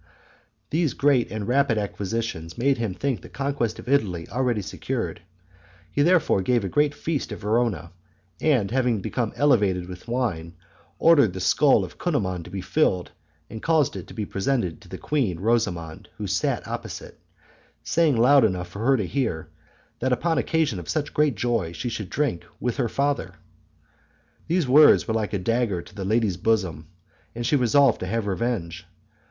These great and rapid acquisitions made him think the conquest of Italy already secured; he therefore gave a great feast at Verona, and having become elevated with wine, ordered the skull of Cunimund to be filled, and caused it to be presented to the queen Rosamond, who sat opposite, saying loud enough for her to hear, that upon occasion of such great joy she should drink with her father. These words were like a dagger to the lady's bosom and she resolved to have revenge.